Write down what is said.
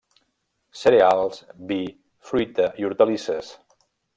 Cereals, vi, fruita i hortalisses.